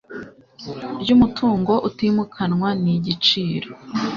ry umutungo utimukanwa n igiciro